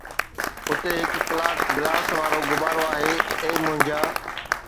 اتي ھڪڙو ڪلاڪ گلاس وارو غبارو آھي، اي منهنجا